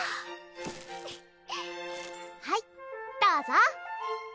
はいどうぞ！